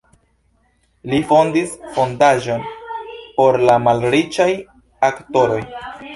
Li fondis fondaĵon por la malriĉaj aktoroj.